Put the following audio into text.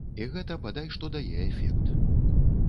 І гэта бадай што дае эфект.